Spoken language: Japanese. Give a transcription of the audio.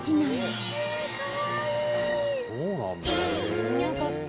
そうなんだ。